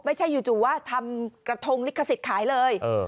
ไม่ใช่อยู่จู่ว่าทำกระทงลิขสิทธิ์ขายเลย